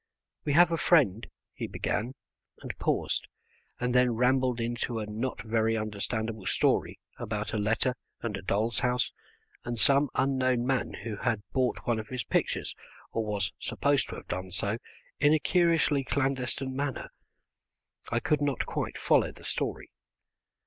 "We have a friend " he began and paused, and then rambled into a not very understandable story about a letter and a doll's house and some unknown man who had bought one of his pictures, or was supposed to have done so, in a curiously clandestine manner. I could not quite follow the story.